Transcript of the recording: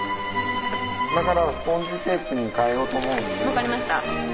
分かりました。